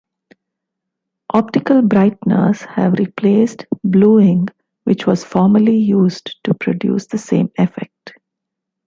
Optical brighteners have replaced bluing which was formerly used to produce the same effect.